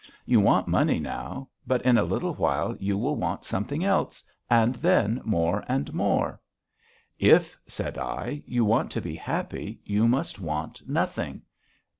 You want money now, but in a little while you will want something else, and then more and more. If,' said I, 'you want to be happy you must want nothing.